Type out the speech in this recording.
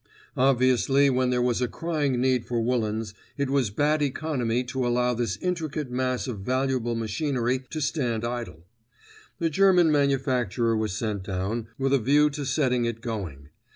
Obviously, when there was a crying need for woollens, it was bad economy to allow this intricate mass of valuable machinery to stand idle. A German manufacturer was sent down, with a view to setting it going.